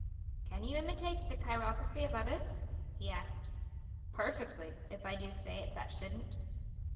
"Can you imitate the chirography of others?" he asked. "Perfectly, if I do say it that shouldn't."